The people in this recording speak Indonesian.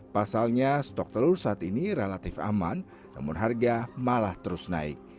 pasalnya stok telur saat ini relatif aman namun harga malah terus naik